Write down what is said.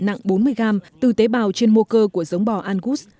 nặng bốn mươi gram từ tế bào trên mô cơ của giống bò angus